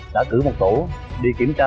đã cử một tổ đi kiểm tra